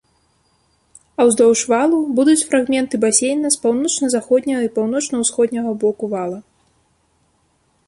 А ўздоўж валу будуць фрагменты басейна з паўночна-заходняга і паўночна-ўсходняга боку вала.